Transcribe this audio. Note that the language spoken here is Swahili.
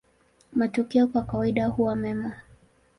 Matokeo kwa kawaida huwa mema.